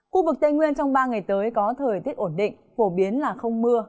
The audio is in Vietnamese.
khu vực tây nguyên trong ba ngày tới có thời tiết ổn định phổ biến là không mưa